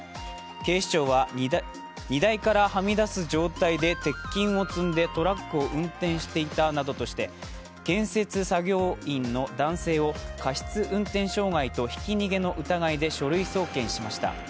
警視庁は荷台からはみ出す状態で鉄筋を積んでトラックを運転していたなどとして、建設作業員の男性を過失運転傷害とひき逃げの疑いで書類送検しました。